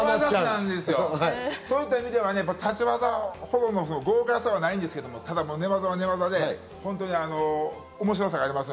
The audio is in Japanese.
そういった意味では立ち技の豪快さはないですけど、寝技は寝技で面白さがあります。